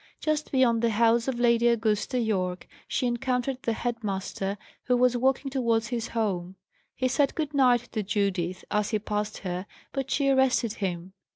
Just beyond the house of Lady Augusta Yorke she encountered the head master, who was walking towards his home. He said "Good night" to Judith, as he passed her; but she arrested him.